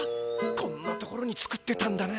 こんなところに作ってたんだな。